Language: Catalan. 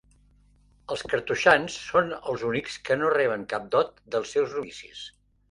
Els cartoixans són els únics que no reben cap dot dels seus novicis.